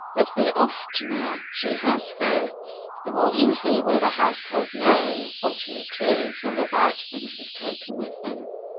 But the oftener she has fits, the more easily will the household know what it is all about when she is taken with them.